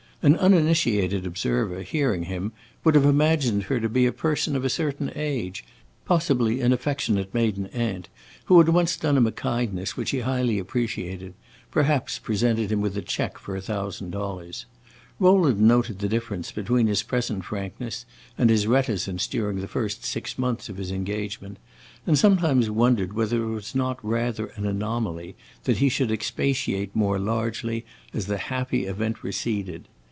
An uninitiated observer, hearing him, would have imagined her to be a person of a certain age possibly an affectionate maiden aunt who had once done him a kindness which he highly appreciated: perhaps presented him with a check for a thousand dollars. Rowland noted the difference between his present frankness and his reticence during the first six months of his engagement, and sometimes wondered whether it was not rather an anomaly that he should expatiate more largely as the happy event receded.